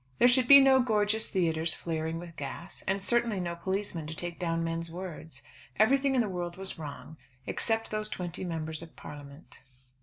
There should be no gorgeous theatres flaring with gas, and certainly no policemen to take down men's words. Everything in the world was wrong, except those twenty Members of Parliament.